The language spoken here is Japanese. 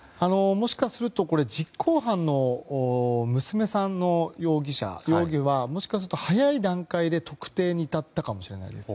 もしかすると実行犯の娘さんの容疑はもしかすると、早い段階で特定に至ったかもしれないです。